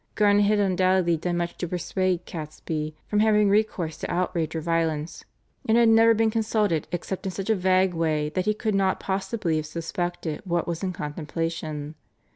Garnet had undoubtedly done much to persuade Catesby from having recourse to outrage or violence, and had never been consulted except in such a vague way that he could not possibly have suspected what was in contemplation.